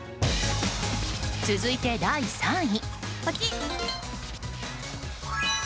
続いて、第３位。